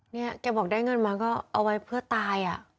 เนี่ยแกบอกได้เงินมาก็เอาไว้เพื่อตาย